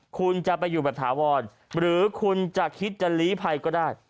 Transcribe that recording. คุณจะไปอยู่แบบถาวรหรือคุณจะคิดจะลีภัยก็ได้